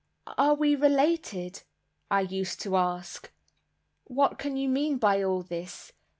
"Are we related," I used to ask; "what can you mean by all this?